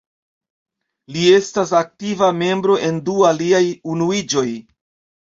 Li estas aktiva membro en du aliaj unuiĝoj.